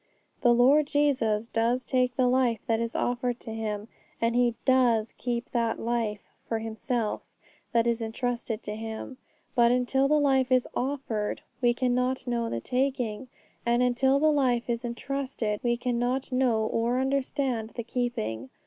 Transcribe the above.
The Lord Jesus does take the life that is offered to Him, and He does keep the life for Himself that is entrusted to Him; but until the life is offered we cannot know the taking, and until the life is entrusted we cannot know or understand the keeping.